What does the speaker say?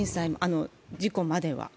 事故までは。